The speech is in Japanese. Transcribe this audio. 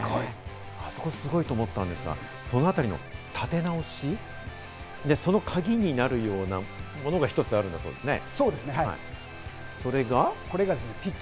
あそこ、すごいと思ったんですが、その辺りの立て直し、で、そのカギになるようなものが一つあるんだそうですね。